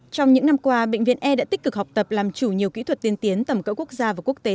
trong những năm qua bệnh viện e đã tích cực học tập làm chủ nhiều kỹ thuật tiên tiến tầm cỡ quốc gia và quốc tế